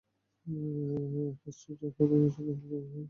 হাঁসটির জ্বর হলো না, সর্দি হলো না, পেট খারাপ না, কিচ্ছু না।